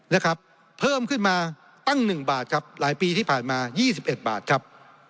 นะครับเพิ่มขึ้นมาตั้ง๑บาทครับหลายปีที่ผ่านมา๒๑บาทครับ